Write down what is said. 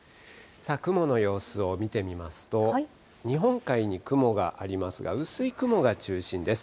雲の様子を見てみますと、日本海に雲がありますが、薄い雲が中心です。